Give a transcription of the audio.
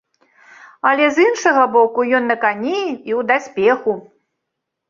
Але, з іншага боку, ён на кані і ў даспеху.